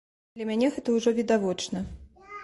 Для мяне гэта ўжо відавочна.